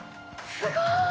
すごい！